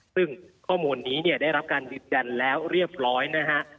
ซึ่งข้อมูลนี้เนี่ยได้รับการยืนยันแล้วเรียบร้อยนะฮะ